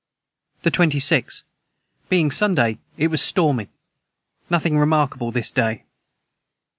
] the 26. Being Sunday it was Stormy Nothing remarkable this day.